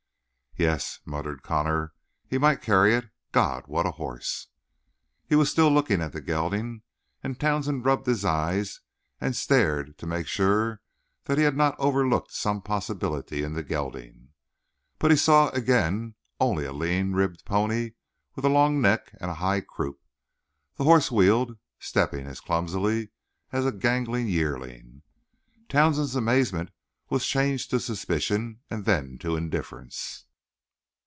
"Yet," muttered Connor, "he might carry it. God, what a horse!" He still looked at the gelding, and Townsend rubbed his eyes and stared to make sure that he had not overlooked some possibilities in the gelding. But he saw again only a lean ribbed pony with a long neck and a high croup. The horse wheeled, stepping as clumsily as a gangling yearling. Townsend's amazement changed to suspicion and then to indifference.